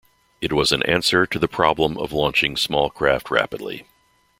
It was an answer to the problem of launching small craft rapidly.